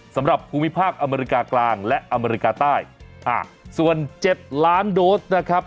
สำหรับภูมิภาคอเมริกากลางและอเมริกาใต้อ่าส่วนเจ็ดล้านโดสนะครับ